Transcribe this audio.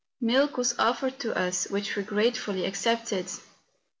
Milk was offered to us which we gratefully accepted.